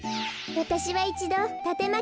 わたしはいちどたてまき